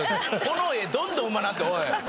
この絵どんどんうまなっておい。